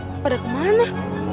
loh pada kemana